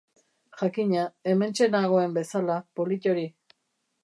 Jakina, hementxe nagoen bezala, polit hori.